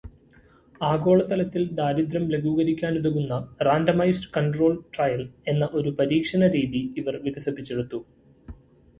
ആഗോളതലത്തിൽ ദാരിദ്ര്യം ലഘൂകരിക്കാനുതകുന്ന “randomised control trial” എന്ന ഒരു പരീക്ഷണരീതി ഇവർ വികസിപ്പിച്ചെടുത്തു